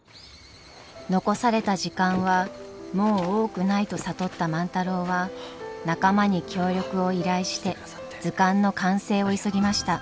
残された時間はもう多くないと悟った万太郎は仲間に協力を依頼して図鑑の完成を急ぎました。